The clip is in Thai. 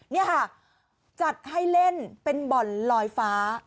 นี่ค่ะจัดให้เล่นเป็นบ่อนลอยฟ้า